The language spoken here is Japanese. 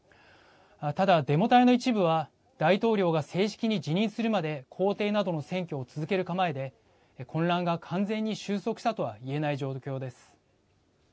ただ、デモ隊の一部は大統領が正式に辞任するまで公邸などの占拠を続ける構えで混乱が完全に収束したとはいえない状況です。